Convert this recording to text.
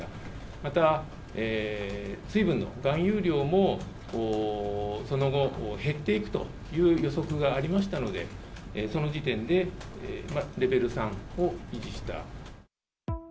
また水分の含有量もその後、減っていくという予測がありましたので、その時点でレベル３を維持した。